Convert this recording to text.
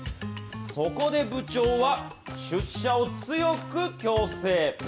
そこで部長は、出社を強く強制。